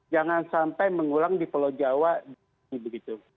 jangan sampai mengulang di pulau jawa begitu